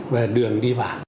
và đường đi vào